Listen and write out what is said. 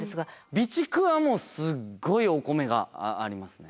備蓄はもうすっごいお米がありますね。